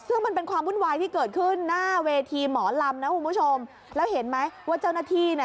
ซึ่งมันเป็นความวุ่นวายที่เกิดขึ้นหน้าเวทีหมอลำนะคุณผู้ชมแล้วเห็นไหมว่าเจ้าหน้าที่เนี่ย